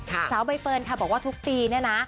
สาวใบเฟิร์นค่ะบอกว่าทุกปีเนี่ยนะ